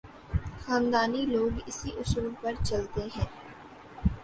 خاندانی لوگ اسی اصول پہ چلتے ہیں۔